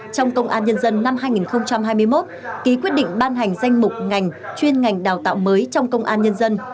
trong công an nhân dân năm hai nghìn hai mươi một ký quyết định ban hành danh mục ngành chuyên ngành đào tạo mới trong công an nhân dân